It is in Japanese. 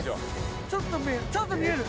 ちょっと見える。